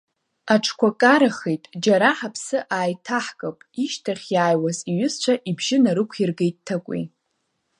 Аҽқәа карахеит, џьара ҳаԥсы ааиҭаҳкып, ишьҭахь иааиуаз иҩызцәа ибжьы нарықәиргеит Ҭакәи.